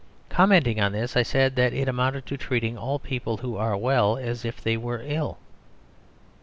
Commenting on this, I said that it amounted to treating all people who are well as if they were ill.